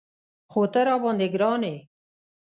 خو ته راباندې ګران یې.